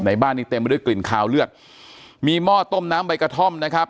บ้านนี้เต็มไปด้วยกลิ่นคาวเลือดมีหม้อต้มน้ำใบกระท่อมนะครับ